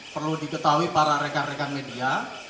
perlu diketahui para rekan rekan media